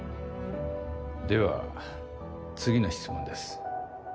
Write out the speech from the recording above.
では次の質問です。